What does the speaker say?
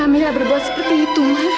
amirah berbuat seperti itu mas